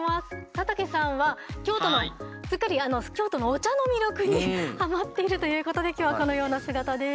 佐竹さんは京都のお茶の魅力にはまっているということで今日はこのような姿です。